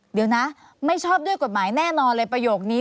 เดี๋ยวนะไม่ชอบด้วยกฎหมายแน่นอนเลยประโยคนี้